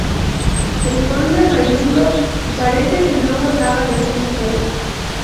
El conde Raimundo parece que no gozaba de mucha salud.